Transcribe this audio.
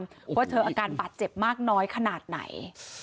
ว่าเธออาการบาดเจ็บมากน้อยขนาดไหน